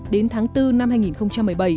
đến tháng bốn năm hai nghìn một mươi bảy